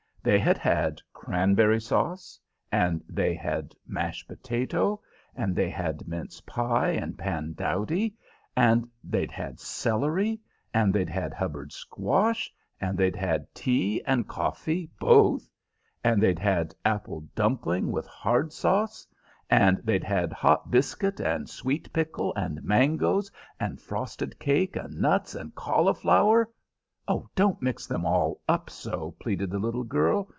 They had had cranberry sauce, and they'd had mashed potato, and they'd had mince pie and pandowdy, and they'd had celery, and they'd had Hubbard squash, and they'd had tea and coffee both, and they'd had apple dumpling with hard sauce, and they'd had hot biscuit and sweet pickle, and mangoes, and frosted cake, and nuts, and cauliflower "Don't mix them all up so!" pleaded the little girl.